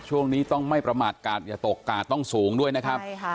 ช่วงนี้ต้องไม่ประมาทก่อนอย่าตกก่อนต้องสูงด้วยนะครับ